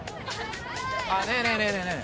あっねえねえねえねえねえ